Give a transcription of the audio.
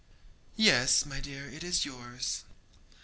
'Yes, my dear! it is yours.'